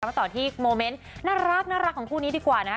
มาต่อที่โมเมนต์น่ารักของคู่นี้ดีกว่านะคะ